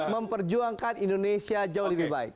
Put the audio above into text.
memperjuangkan indonesia jauh lebih baik